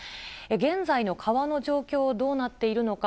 現在の川の状況、どうなっているのか。